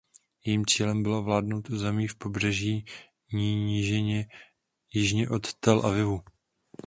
Jejím cílem bylo ovládnout území v pobřežní nížině jižně od Tel Avivu.